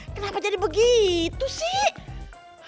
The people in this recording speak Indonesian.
kenapa jadi begitu sih